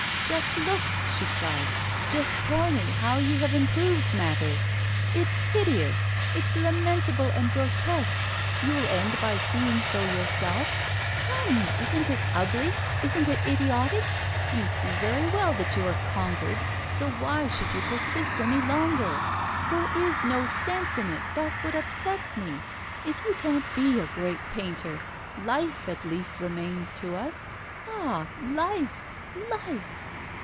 'Just look!' she cried, 'just tell me how you have improved matters? It's hideous, it's lamentable and grotesque; you'll end by seeing so yourself. Come, isn't it ugly, isn't it idiotic? You see very well that you are conquered, so why should you persist any longer? There is no sense in it, that's what upsets me. If you can't be a great painter, life, at least, remains to us. Ah! life, life!